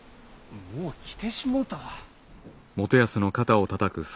もう着てしもうたわ。